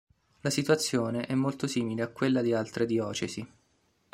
La situazione è molto simile a quella di altre diocesi.